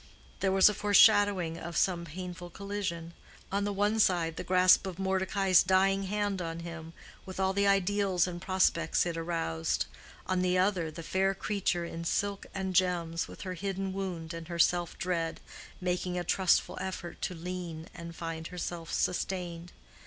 There was a foreshadowing of some painful collision: on the one side the grasp of Mordecai's dying hand on him, with all the ideals and prospects it aroused; on the other the fair creature in silk and gems, with her hidden wound and her self dread, making a trustful effort to lean and find herself sustained.